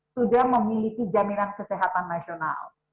sudah memiliki jaminan kesehatan nasional